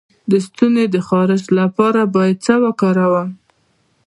د ستوني د خارش لپاره باید څه وکاروم؟